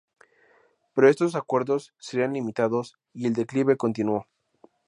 Pero estos acuerdos serían limitados y el declive continuó.